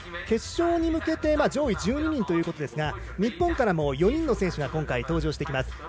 決勝に向けて上位１２人ということですが日本からも４人の選手が今回、登場してきます。